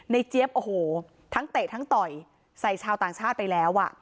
นายเจี๊ยบทั้งเตะทั้งต่อยใส่ชาวต่างชาติไปแล้ว